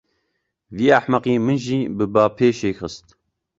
Vî ehmeqî min jî bi bapêşê xist.